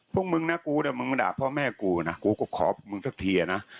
พวกมึงนะกูเนี่ยมึงมาด่าพ่อแม่กูนะกูก็ขอมึงสักทีนะ